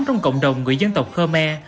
trong cộng đồng người dân tộc khmer